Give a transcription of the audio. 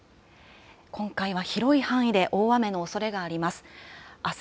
今回は広い範囲で大雨のおそれがあります。